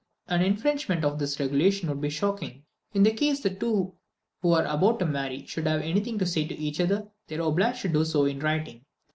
An infringement of this regulation would be shocking. In case the two who are about to marry should have anything to say to each other, they are obliged to do so in writing.